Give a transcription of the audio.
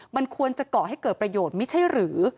มันควรจะก่อให้เกิดประโยชน์ไม่ใช่หรือ